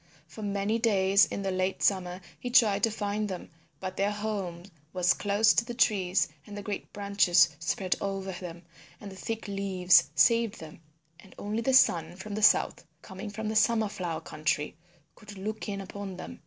For many days in the late summer he tried to find them but their home was close to the trees, and the great branches spread over them and the thick leaves saved them, and only the sun from the south, coming from the Summer Flower country, could look in upon them.